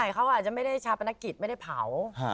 เขาก็อาจจะไม่ได้ชาปนกิจไม่ได้เผา